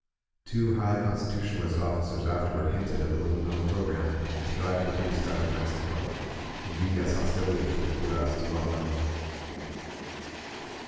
Two high Constitu tionalist officers afterward hinted at a little known pro gram to drive the priests out of Mexico; and Villa's hostility to the euros is well known.